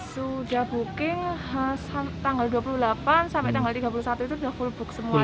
sudah booking tanggal dua puluh delapan sampai tanggal tiga puluh satu itu sudah full book semua